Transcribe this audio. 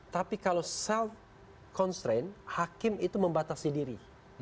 tapi kalau self constraint hakim itu membatasi diri